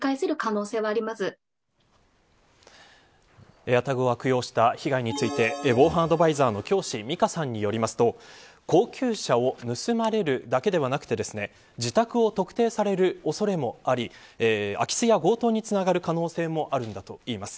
エアタグを悪用した被害について防犯アドバイザーの京師美佳さんによりますと高級車を盗まれるだけではなくて自宅を特定される恐れもあり空き巣や強盗につながる可能性もあるんだといいます。